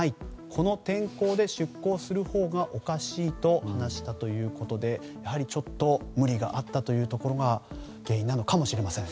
この天候で出航するほうがおかしいと話したということでちょっと無理があったというところが原因なのかもしれません。